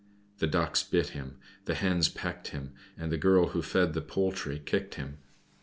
The Ducks bit him, the Hens pecked him, and the girl who fed the poultry kicked him.